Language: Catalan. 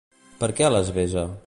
Per què les besa?